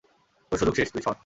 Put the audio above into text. তোর সুযোগ শেষ, তুই সর।